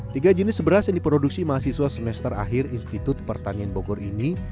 tiga jenis beras yang diproduksi mahasiswa semester akhir institut pertanian bogor ini